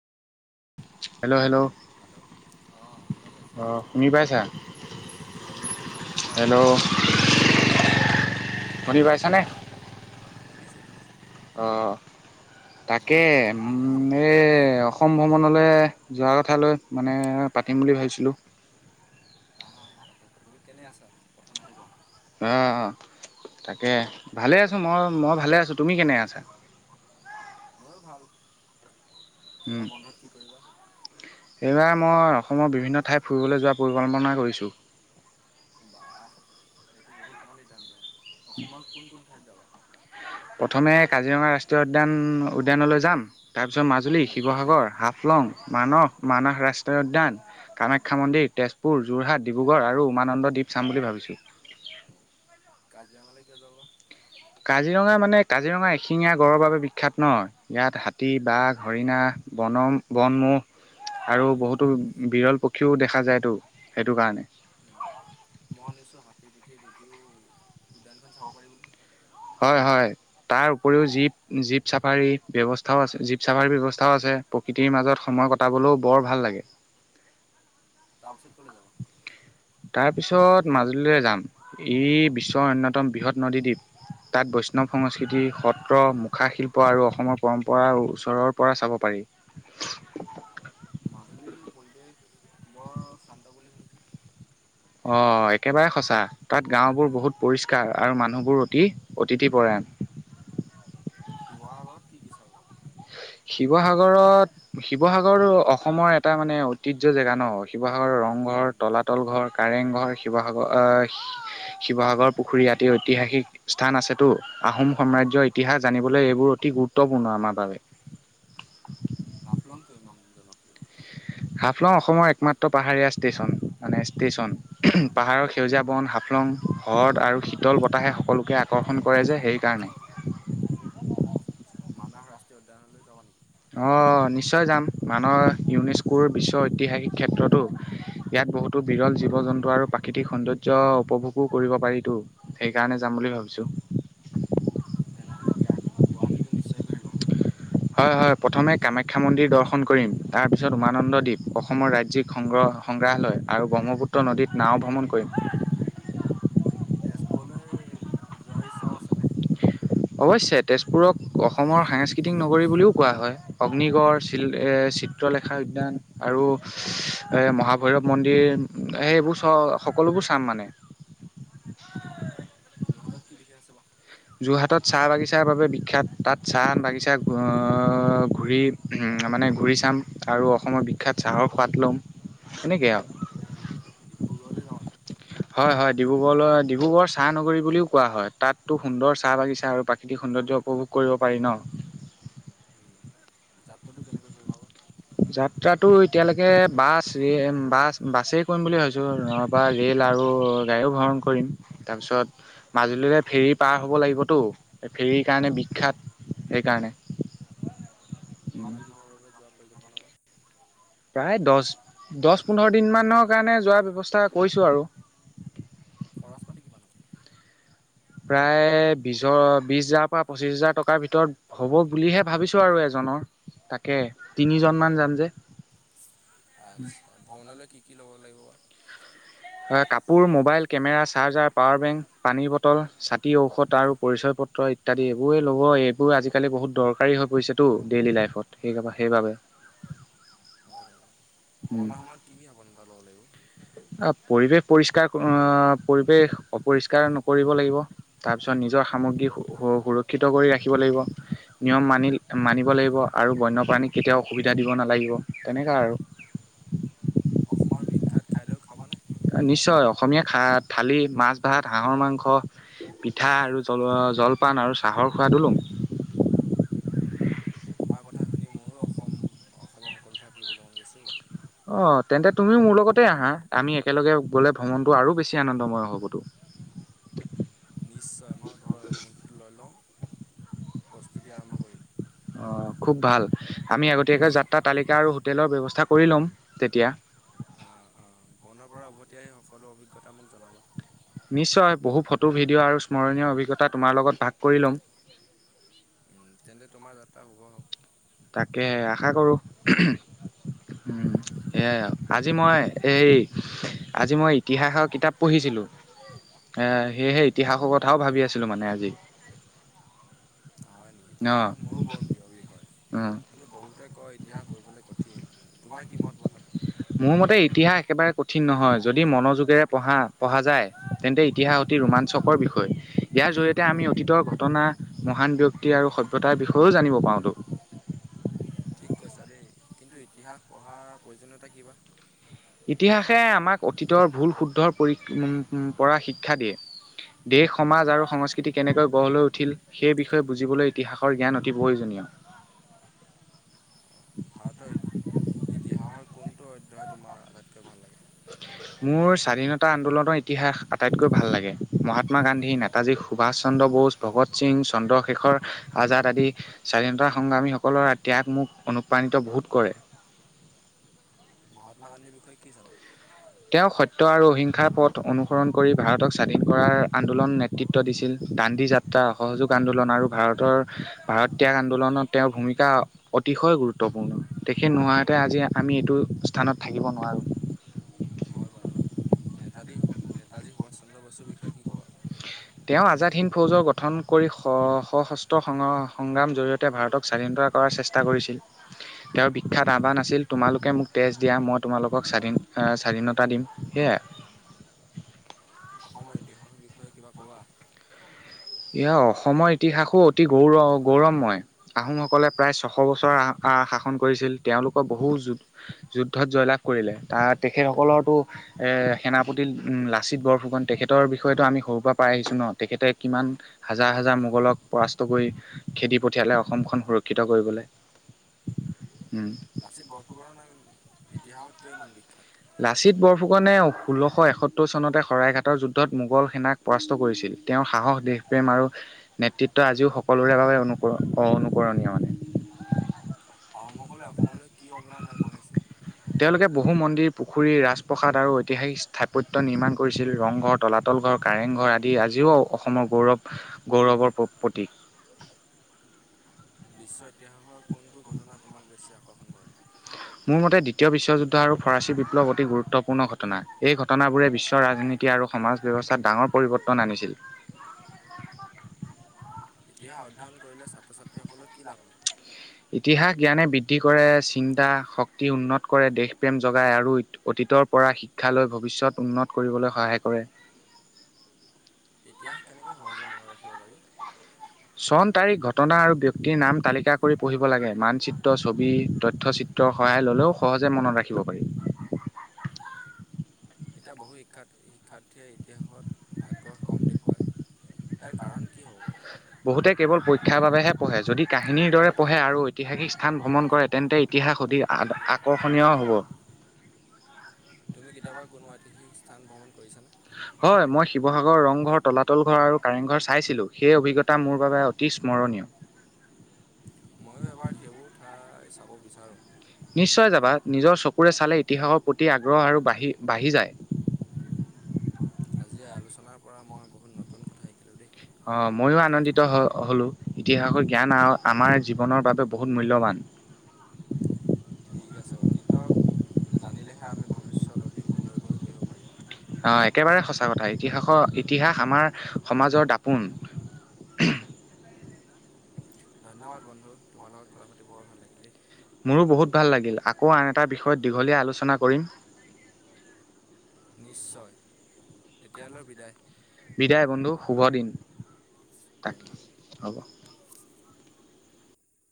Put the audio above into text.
Hello hello hello অ', শুনি আছোঁ। অঁ শুনি পাইছা নমস্কাৰ হেল্ল' বন্ধু কেনে আছা? শুনি পাইছানে? শুনিছোঁ শুনিছোঁ। অ তাকে নমস্কাৰ বন্ধু কেনে আছা উম এ অ সম ভ্ৰমণলে যোৱা কথালৈ মানে পাতিম বুলি ভাবিছিলোঁ। আহা আহা পাতো, তুমি কেনে আছা প্ৰথম সেটো কোৱা? অ' অ' তাকে ভালে আছোঁ মই মই ভালে আছোঁ, তুমি কেনে আছা? ময়ো ভাল, এবাৰ বন্ধত কি কৰিবা? এইবাৰ মই অসমৰ বিভিন্ন ঠাই ফুৰিবলে যোৱাৰ পৰিকল্পনা কৰিছোঁ। বাহ এইটো বহুত ভাল সিদ্ধান্ত, অসমৰ কোন কোন ঠাইত যাবা? প্ৰথমে কাজিৰঙা ৰাষ্ট্ৰীয় উদ্যান উদ্যানলৈ যাম। তাৰপিছত মাজুলী, উম শিৱসাগৰ, হাফলং, মানস মানাহ ৰাষ্ট্ৰীয় উদ্যান, কামাখ্যা মন্দিৰ, তেজপুৰ, যোৰহাট, ডিব্ৰুগড় আৰু উমানন্দ দ্বীপ চাম বুলি ভাবিছোঁ। কাজিৰঙালৈ কিয় যোৱা বা? কাজিৰঙা মানে কাজিৰঙা এশিঙীয়া গড়ৰ বাবে বিখ্যাত ন। ইয়াত হাতী, বাঘ, হৰিণা, বনম, বনমোহ। আৰু বহুতো বিৰল পক্ষীও দেখা যায়তো, সেইটো কাৰণে। উম মই শুনিছোঁ হাতীৰ পিঠিত উঠিও উদ্যানখন চাব পাৰি বোলে? হয় হয় তাৰ উপৰিও জীপ জীপ চাফাৰী ব্যৱস্থাও আছে, জীপ চাফাৰীৰ ব্যৱস্থাও আছে। প্ৰকৃতিৰ মাজত সময় কটাবলোঁ বৰ ভাল লাগে। তাৰপিছত ক'লে যাবা? তাৰপিছত মাজুলীলে যাম, ই বিশ্বৰ অন্যতম বৃহৎ নদীদ্বীপ। তাত বৈষ্ণৱ সংস্কৃতি সত্ৰ, মুখা শিল্প আৰু অসমৰ পৰম্পৰা ওচৰৰ পৰা চাব পাৰি। মাজুলীৰ পৰিৱেশ, বৰ শান্ত বুলি শুনিছোঁ অ' একেবাৰে সঁচা, তাত গাঁওবোৰ বহুত পৰিষ্কাৰ আৰু মানুহ বোৰ অতি অতিথি পৰায়ণ। শিৱসাগৰত কি কি চাব? শিৱসাগৰত শিৱসাগৰ অসমৰ এটা মানে ঐতিহ্য জেগা ন'। শিৱসাগৰৰ ৰং ঘৰ, উম তলাতল ঘৰ, কাৰেং ঘৰ, শিৱসাগৰ অহ শিৱসাগৰ পুখুৰী আদি ঐতিহাসিক স্থান আছেতো, আহোম সাম্ৰাজ্যৰ ইতিহাস জানিবলৈ এইবোৰ অতি গুৰুত্বপূৰ্ণ আমাৰ বাৱে। হাফলং কিয় ইমান জনপ্ৰিয়? হাফলং অসমৰ একমাত্ৰ পাহাৰীয়া ষ্টেচন মানে ষ্টেচন পাহাৰৰ সেউজীয়া বন হাফলং, হ্ৰদ আৰু শীতল বতাহে সকলোকে আকৰ্ষণ কৰে যে সেইকাৰণে। আটচ্ছা আটচ্ছা মানাস ৰাষ্ট্ৰীয় উদ্যানলৈ যাবা নেকি? অ' নিশ্চয় যাম, মানস ইউনেস্কোৰ বিশ্বৰ ঐতিহাসিক ক্ষেত্ৰতো। ইয়াত বহুতো বিৰল জীৱ জন্তু আৰু প্ৰাকৃতিক সৌন্দৰ্য উপভোগো কৰিব পাৰিতো। সেইকাৰণে যাম বুলি ভাবিছোঁ। তেনেহলে গীয়া- গুৱাহাটীতটো নিশ্চয় ঘুৰিবাঁ হয়' হয়' প্ৰথমে কামাখ্যা মন্দিৰ দৰ্শন কৰিম, তাৰপিছত উমানন্দদ্বীপ অসমৰ ৰাজ্যিক সংগ্ৰহ সংগ্ৰাহালয় আৰু ব্ৰহ্মপুত্ৰ নদীত নাও ভ্ৰমণ কৰিম। তেজপুৰলৈ যোৱাৰ ইচ্ছাও আছেনে? অৱশ্যে তেজপুৰক, অসমৰ সাংস্কৃতিক নগৰী বুলিও কোৱা হয়। অগ্নিগড় চিল এ চিত্ৰলেখা উদ্যান আৰু মহাভৈৰৱ মন্দিৰ সেইবোৰ চ' সকলোবোৰ চাম মানে। অ অ যোৰহাটত কি বিশেষ আছে বা? যোৰহাটত চাহ বাগিচাৰ বাবে বিখ্যাত তাত চাহ বাগিচা ঘ ঘূৰি উম মানে ঘূৰি চাম আৰু অসমৰ বিখ্যাত চাহৰ সোৱাদ ল'ম সেনেকেই আৰু। ডি ডিব্ৰুগড়লৈ যাব নাই? হয় হয় ডিব্ৰুগড়লৈ ডিব্ৰুগড় চাহ নগৰী বুলিও কোৱা হয় তাতো সুন্দৰ চাহ বাগিচা আৰু প্ৰাকৃতিক সৌন্দৰ্য। উপভোগ কৰিব পাৰি ন। উম যাত্ৰাটো কেনেকৈ কৰিব বা? যাত্ৰাটো এতিয়ালৈকে বাছ বাছ বাছেই কৰিম বুলি ভাবিছোঁ। বা ৰে'ল আৰু গাড়ীও ভ্ৰমণ কৰিম। তাৰপিছত মাজুলীৰে ফেৰী পাৰ হ'ব লাগিবতো এই ফেৰীৰ কাৰণে বিখ্যাত সেইকাৰণে। কিমান দিনৰ বাবে যোৱা পৰিকল্পন বা? প্ৰায় দহ দহ পোন্ধৰ দিন মানৰ কাৰণে যোৱাৰ ব্যৱস্থা কৰিছো আৰু। খৰচ পাতি কিমান হ'ব? প্ৰায় বিশৰ বিশ হাজাৰৰ পৰা পঁচিশ হাজাৰ টকাৰ ভিতৰত হ'ব বুলিহে ভাবিছোঁ আৰু এজনৰ তাকেই তিনিজনমান যাম যে। আচ্ছা। ভ্ৰমণলৈ কি কি ল'ব লাগিব বা? কাপোৰ, mobile, camera, charger, power bank, পানীৰ বটল, ছাতি, ঔষধ আৰু পৰিচয় পত্ৰ। ইত্যাদি এইবোৰে ল'ব এইবোৰ আজিকালি বহুত দৰকাৰী হৈ পৰিছেতো ডেইলী লাইফত সেই সেইবাবে। হয় বাৰু ভ্ৰমণৰ সময়ত কি কি সাৱধানতা ল'ব লাগিব? অ পৰিৱেশ পৰিষ্কাৰ অ পৰিৱেশ অপৰিষ্কাৰ নকৰিব লাগিব। তাৰপিছত নিজৰ সামগ্ৰী সুৰক্ষিত কৰি ৰাখিব লাগিব। নিয়ম মানি মানিব লাগিব আৰু বন্যপ্ৰাণীক কেতিয়াও অসুবিধা দিব নালাগিব তেনেকুৱা আৰু। অসমৰ বিখ্যাত খাদ্যও খাবনে? নিশ্চয় অসমীয়া খা থালি মাছ ভাত হাঁহৰ মাংস। পিঠা আৰু জ জলপান আৰু চাহৰ সোৱাদো লম। [unintelligible] তোমাৰ কথা শুনি মোৰো অসম অসমৰ সকলো ঠাই ফুৰিব মন গৈছে অ। অ তেন্তে তুমিও মোৰ লগতে আহা আমি একেলগে গ'লে ভ্ৰমণটো আৰু বেছি আনন্দময় হ'বতো। নিশ্চয় মই ঘৰৰ অনুমতিটো লৈ লওঁ প্ৰস্তুতি আৰম্ভ কৰিম। অঁ খুব ভাল আমি আগতীয়াকৈ যাত্ৰা তালিকা আৰু হোটেলৰ ব্যৱস্থা কৰি ল'ম তেতিয়া। অঁ অঁ ভ্ৰৱণৰ পৰা উভতি আহি সকলো অভিজ্ঞতা মোক জনাবাচোন। নিশ্চয় বহু ফটো ভিডিঅ' আৰু স্মৰণীয় অভিজ্ঞতা তোমাৰ লগত ভাগ কৰি ল'ম। উম তেন্তে তোমাৰ যাত্ৰা শুভ হওঁক। তাকে আশা কৰোঁ উম। সেইয়া আৰু আজি মই হেৰি এই আজি মই ইতিহাসৰ কিতাপ পঢ়িছিলোঁ। এ সেয়েহে ইতিহাসৰ কথাও ভাবি আছিলো মানে আজি। হয় নেকি অ ইতিহাস মোৰো বৰ প্ৰিয় বিষয় অ কিন্তু বহুতে কয় ইতিহাস পঢ়িবলৈ কঠিন। তোমাৰ কি মত বা তাত? মোৰ মতে ইতিহাস একেবাৰে কঠিন নহয় যদি মনোযোগেৰে পঢ়া পঢ়া যায় তেন্তে ইতিহাস অতি ৰোমাঞ্চকৰ বিষয় ইয়াৰ জৰিয়তে আমি অতীতৰ ঘটনা মহান ব্যক্তি আৰু সভ্যতাৰ বিষয়েও জানিব পাৰওঁতো। ঠিক কৈছা দেই কিন্তু ইতিহাস পঢ়াৰ প্ৰয়োজনীয়তা কিবা? ইতিহাসে আমাক অতীতৰ ভুল শুদ্ধৰ পৰি পৰা শিক্ষা দিয়ে। দেশ সমাজ আৰু সংস্কৃতি কেনেকৈ গঢ় লৈ উঠিল। সেই বিষয়ে বুজিবলৈ ইতিহাসৰ জ্ঞান অতি প্ৰয়োজনীয়। অ, ভাৰতৰ ইতিহাসৰ কোনটো অধ্যায় তোমাৰ আটাইতকৈ ভাল লাগে? [unintelligible] মোৰ স্বাধীনতা আন্দোলনৰ ইতিহাস আটাইতকৈ ভাল লাগে। মহাত্মা গান্ধী, নেতাজী সুভাষ চন্দ্ৰ বোস- ভগত সিং, চন্দ্ৰশেখৰ আজাদ আদি - স্বাধীনতা সংগ্ৰামীসকলৰ ত্যাগ মোক অনুপ্ৰাণিত বহুত কৰে। মহাত্মা গান্ধীৰ বিষয়ে কি জানা? তেওঁ সত্য আৰু অহিংসাৰ পথ অনুসৰণ কৰি ভাৰতক স্বাধীন কৰাৰ আন্দোলন নেতৃত্ব দিছিল। দান্ধী যাত- ত্ৰা সহযোগ আন্দোলন আৰু ভাৰতৰ, ভাৰত ত্যাগ আন্দোলনত তেওঁৰ ভূমিকা- অতিশয় গুৰুত্বপূৰ্ণ। তেখেত নোহোৱাহেতে আজি আমি এইটো স্থানত থাকিব নোৱাৰোঁ। হয় বাৰু। নেতাদী, নেতাজী সুভাষ চন্দ্ৰ বসুৰ বিষয়ে কি ক'বা? [unintelligible] তেওঁ আজাদ হিন্দ ফৌজৰ গঠন কৰি স-সশস্ত্ৰ সং-সংগ্ৰাম জৰিয়তে ভাৰতক স্বাধীনতা- কৰাৰ চেষ্টা কৰিছিল। তেওঁৰ বিখ্যাত আহ্বান আাছিল তোমালোকে মোক তেজ দিয়া, মই তোমালোকক স্বাধীন আ' স্বাধীনতা দিম, সেয়াই। অসমৰ ইতিহাসৰ বিষয়ে কিবা ক'বা? ইয়াৰ অসমৰ ইতিহাসো অতি গৌৰ-গৌৰম হয়। আহোমসকলে প্ৰায় ছশ বছৰ আহ, আহ, শাসন কৰিছিল। তেওঁলোকো বহু যু- যুদ্ধত জয়লাভ কৰিলে, তা, তেখেতসকলৰটো- এ' সেনাপতি ম' লাচিত বৰফুকন তেখেতৰ বিষয়েটো আমি সৰুৰ পৰা পাই আহিছোঁ ন। তেখেতে কিমান- হাজাৰ নহয়। হাজাৰ মোগলক পৰাস্ত কৰি খেদি পঠিয়ালে অসমখন সুৰক্ষিত কৰিবলে। উম। লাচিত বৰফুকণৰ নাম ইতিহাসত কিয় ইমান বিখ্যাত? লাচিত বৰফুকনে সোল্লশ এসত্তৰ চনতে শৰাইঘাটৰ যুদ্ধত মোগল সেনাক- পৰাস্ত কৰিছিল। তেওঁৰ সাহস দেশ- প্ৰেম আৰু নেতৃত্ব আজিও সকলোৰে বাবে অনুকৰণ, অ', অনুকৰণীয় মানে। আহোমসকলে অসমলৈ কি অৱদান আগবঢ়াইছে? তেওঁলোকে বহু মন্দিৰ, পুখুৰী, ৰাজপ্ৰসাদ আৰু ঐতিহাসিক স্থাপত্য নিৰ্মাণ কৰিছিল। ৰংঘৰ- তলাতল ঘৰ, কাৰেং ঘৰ আদি আজিও অ-অসমৰ গৌৰৱ, গৌৰৱৰ প-প্ৰতীক। বিশ্ব ইতিহাসৰ কোনটো ঘটনা তোমাক বেছি আকৰ্ষণ কৰে? মোৰ মতে দ্বিতীয় বিশ্বযুদ্ধ আৰু ফৰাচী বিপ্লৱ অতি গুৰুত্বপূৰ্ণ ঘটনা। এই ঘ- টনাবোৰে বিশ্বৰ ৰাজনীতি আৰু সমাজ ব্যৱস্থাত ডাঙৰ পৰিৱৰ্তন আনিছিল। ইতিহাস অধ্যয়ন কৰিলে ছাত্ৰ-ছাত্ৰীসকলৰ কি লাভ হয়? ইতিহাস জ্ঞানে বৃদ্ধি কৰে চিন্তা, শক্তি উন্নত কৰে দেশ- প্ৰেম জগায় আৰু অইত-অতীতৰ পৰা শিক্ষা লৈ ভৱিষ্যত উন্নত কৰিবলৈ সহায় কৰে। ইতিহাস কেনেকৈ সহজে মনত ৰাখিব পাৰি? চন, তাৰিখ, ঘটনা আৰু ব্যক্তিৰ নাম তালিকা কৰি পঢ়িব লাগে। মানচিত্ৰ, ছবি, তথ্যচিত- ত্ৰ সহায় ল'লেও সহজে মনত ৰাখিব পাৰি। এতিয়া বহু শিক্ষাত, শিক্ষাৰ্থীয়ে ইতিহাসত আগ্ৰহ কম দেখুৱায়। ইয়াৰ কাৰণ কি হ'ব পাৰে? বহুতে কেৱল পৰীক্ষাৰ বাবেহে পঢ়ে। যদি কাহিনীৰ দৰে পঢ়ে আৰু ঐতিহাসিক স্থান ভ্ৰমণ কৰে তেন্তে ই- তিহাস অধিক আ-আকৰ্ষণীয় হ'ব। তুমি কেতিয়াবা কোনো ঐতিহাসিক স্থান ভ্ৰমণ কৰিছা নে? হয়, মই শিৱসাগৰ, ৰংঘৰ, তলাতল ঘৰ আৰু কাৰেং ঘৰ চাইছিলোঁ। সেই অভিজ্ঞতা মোৰ বাবে অতি স্মৰণীয়। ময়ো এবাৰ সেইবোৰ ঠাই চাব বিচাৰোঁ। নিশ্চয় যাবা। নিজৰ চকুৰে চালে ইতিহাসৰ প্ৰতি আগ্ৰহ আৰু বাঢ়ি-বাঢ়ি যায়। আজি আলোচনাৰ পৰা মই বহুত নতুন কথা শিকিলোঁ দেই। অ' ময়ো আনন্দিত হ হ'লোঁ। ইতিহাসৰ জ্ঞান আৰু আমাৰ জীৱনৰ বাবে বহুত মূল্যৱান। ঠিক আছে অতীতক জানিলেহে আমি ভৱিষ্যত অধিক সুন্দৰকৈ গঢ়িব পাৰিম। অ' একেবাৰে সঁচা কথা। ইতিহাসৰ ইতিহাস আমাৰ সমাজৰ দাপোন। ধন্যবাদ বন্ধু তোমাৰ লগত কথা পাতি বৰ ভাল লাগিল দেই। মোৰো বহুত ভাল লাগিল। আকৌ আন এটা বিষয়ত দীঘলীয়া আলোচনা কৰিম। নিশ্চয়, এতিয়ালৈ বিদায়। বিদায় বন্ধু, শুভদিন। তাকে, ধন্যবাদ হ'ব।